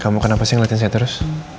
kamu kenapa sih ngeliatin saya terus